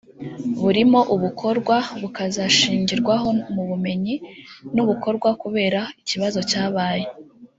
burimo ubukorwa bukazashingirwaho mu bumenyi n’ubukorwa kubera ikibazo cyabaye